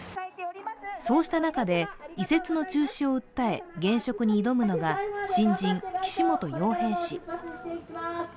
そうした中で、移設の中止を訴え、現職に挑むのが新人・岸本洋平氏。